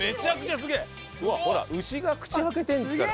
うわっほら牛が口開けてるんですから。